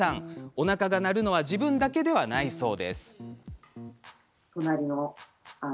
おなかが鳴るのは自分だけではないそう。